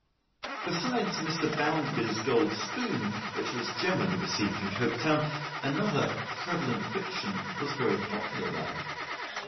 Besides Mr. Bounderby's gold spoon which was generally received in Coketown, another prevalent fiction was very popular there.